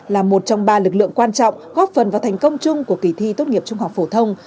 là một trong ba lực lượng quan trọng góp phần vào thành công chung của kỳ thi tốt nghiệp trung học phổ thông